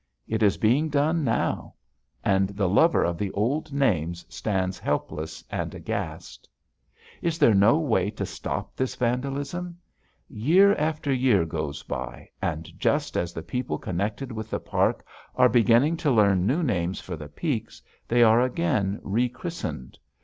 It is being done now. And the lover of the old names stands helpless and aghast. Is there no way to stop this vandalism? Year after year goes by, and just as the people connected with the park are beginning to learn new names for the peaks, they are again rechristened.